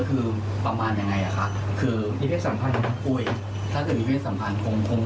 เพราะเสพคือไม่มีอะไรกัน